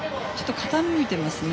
傾いていますね。